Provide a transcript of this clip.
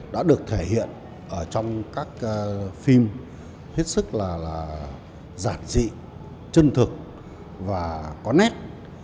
đã được thể hiện ở trong các phim hết sức là giản dị chân thực và có nét